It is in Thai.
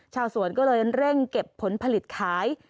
ชาวสวนก็เลยเร่งเก็บผลผลิตขาย